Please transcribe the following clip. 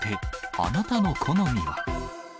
あなたの好みは？